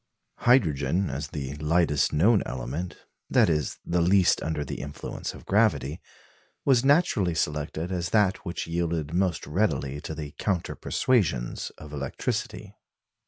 Hydrogen, as the lightest known element that is, the least under the influence of gravity was naturally selected as that which yielded most readily to the counter persuasions of electricity.